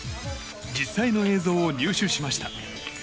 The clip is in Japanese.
実際の映像を入手しました。